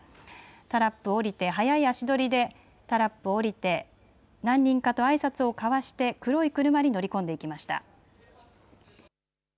タラップを降りて早い足取りで、タラップを降りて何人かとあいさつを交わして黒い車に乗り込んでいきました。